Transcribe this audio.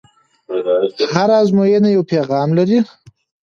هره ازموینه یو پیغام لري.